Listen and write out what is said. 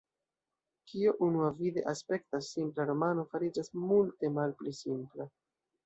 Kio unuavide aspektas simpla romano, fariĝas multe malpli simpla.